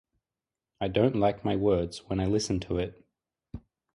I don't like my words when I listen to it.